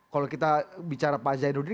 kalau kita bicara pak zainuddin